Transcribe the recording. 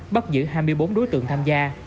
bắt giữ hai mươi bốn đối tượng tham gia